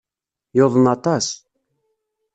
Yuḍen aṭas.